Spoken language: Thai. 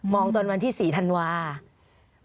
มองตอนวันที่๔ธันวาส